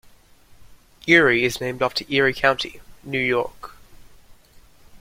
Erie is named after Erie County, New York.